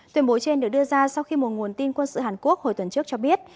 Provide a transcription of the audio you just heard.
tuyên bố trên được đưa ra sau khi một nguồn tin quân sự hàn quốc hồi tuần trước cho biết